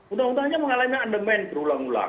undang undangnya mengalami undang undang berulang ulang